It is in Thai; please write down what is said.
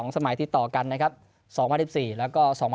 ๒สมัยที่ต่อกัน๒๐๑๔และ๒๐๑๖